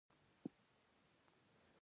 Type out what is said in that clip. ګرګين پر څوکۍ کېناست.